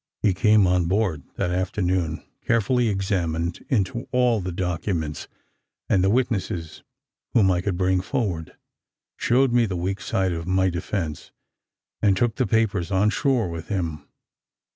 He came on board that afternoon, carefully examined into all the documents, and the witnesses whom I could bring forward, showed me the weak side of my defence, and took the papers on shore with him.